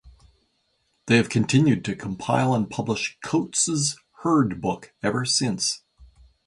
They have continued to compile and publish "Coates's Herd Book" ever since.